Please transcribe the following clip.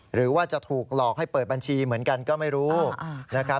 หรือว่าจะถูกหลอกให้เปิดบัญชีเหมือนกันก็ไม่รู้นะครับ